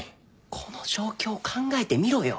この状況を考えてみろよ。